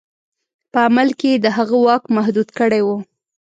په عمل کې یې د هغه واک محدود کړی وو.